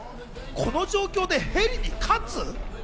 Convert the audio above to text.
この状況でヘリに勝つ。